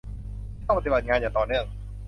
ที่ต้องปฏิบัติงานอย่างต่อเนื่อง